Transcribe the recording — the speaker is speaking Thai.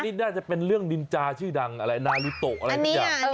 นี่น่าจะเป็นเรื่องนินจาชื่อดังอะไรนาริโตะอะไรทุกอย่าง